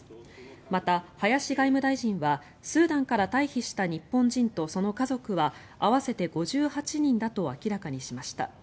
また、林外務大臣はスーダンから退避した日本人とその家族は合わせて５８人だと明らかにしました。